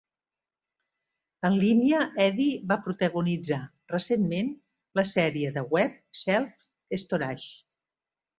En línia, Eddie va protagonitzar recentment la sèrie de web Self-Storage.